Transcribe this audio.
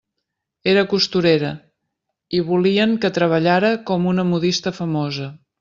Era costurera, i volien que treballara com una modista famosa.